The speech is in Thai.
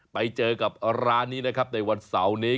ไปเจอกับร้านนี้นะครับในวันเสาร์นี้